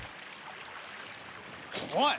おい！